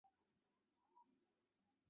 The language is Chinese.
紫缨乳菀是菊科紫菀属的植物。